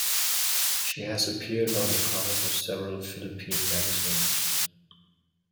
She has appeared on the covers of several Philippine magazines.